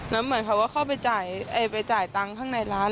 แล้วเหมือนเขาว่าเข้าไปจ่ายตังค์ข้างในร้าน